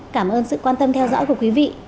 cảm ơn sự quan tâm theo dõi của quý vị